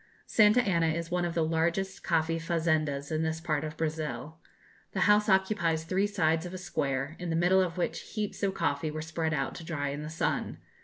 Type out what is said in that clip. Santa Anna is one of the largest coffee fazendas in this part of Brazil. The house occupies three sides of a square, in the middle of which heaps of coffee were spread out to dry in the sun.